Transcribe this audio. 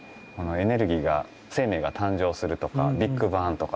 エネルギーが生命が誕生するとかビッグバンとかですね。